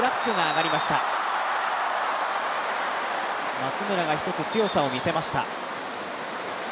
松村が１つ、強さを見せました。